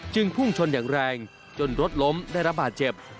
พุ่งชนอย่างแรงจนรถล้มได้รับบาดเจ็บ